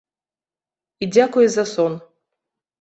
І дзякуе за сон.